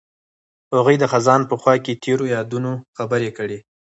هغوی د خزان په خوا کې تیرو یادونو خبرې کړې.